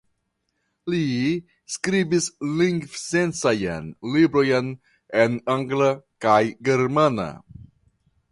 Li skribis lingvsciencajn librojn en angla kaj germana.